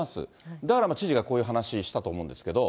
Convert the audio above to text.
だから知事がこういう話したと思うんですけれども。